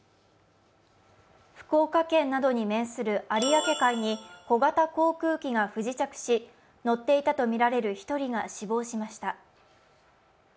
福岡県などに面する有明海に小型航空機が不時着し、乗っていたとみられる１人が死亡しました。